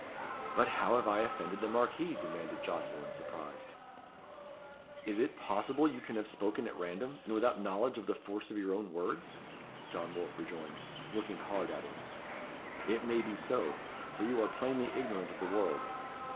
"But how have I offended the Marquis?" demanded Jocelyn, surprised. "Is it possible you can have spoken at random, and without knowledge of the force of your own words?" John Wolfe rejoined, looking hard at him. "It may be so, for you are plainly ignorant of the world.